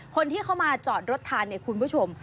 คนที่เข้ามาจอดรถทานเนี่ยคุณผู้ชม